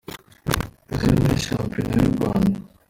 iziri muri shampiyona y’u Rwanda